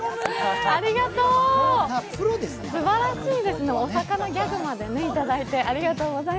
すばらしいですね、お魚ギャグまでいただいて。